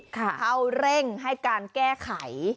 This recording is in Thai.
เขาเร่งให้การแก้ไข